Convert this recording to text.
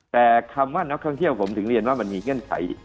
แต่คำว่านักท่องเที่ยวผมถึงเรียนว่ามันมีเงื่อนไข